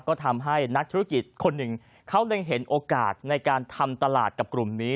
ก็ทำให้นักธุรกิจคนหนึ่งเขาเล็งเห็นโอกาสในการทำตลาดกับกลุ่มนี้